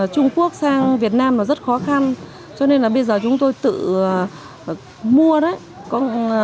trung quốc sang việt nam là rất khó khăn cho nên là bây giờ chúng tôi tự mua đấy